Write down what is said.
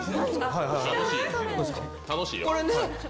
楽しいよ。